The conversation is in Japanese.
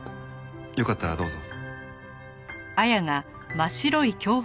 よかったらどうぞ。